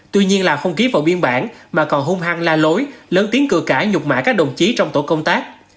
tuy nhiên lào không ký vào biên bản mà còn hung hăng la lối lớn tiếng cửa cãi nhục mã các đồng chí trong tổ công tác